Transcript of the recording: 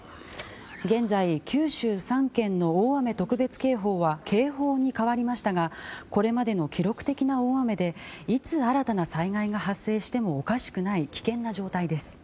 現在、九州３県の大雨特別警報は警報に変わりましたがこれまでの記録的な大雨でいつ新たな災害が発生してもおかしくない危険な状態です。